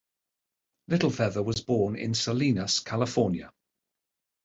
Littlefeather was born in Salinas, California.